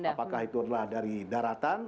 apakah itu adalah dari daratan